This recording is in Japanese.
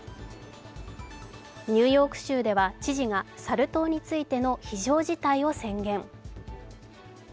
ニューヨーク州では知事がサル痘についての非常事態を宣言。